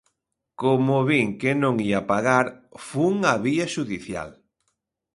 Como vin que non ía pagar, fun á vía xudicial.